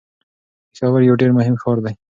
پېښور یو ډیر مهم ښار دی.